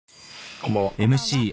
こんばんは。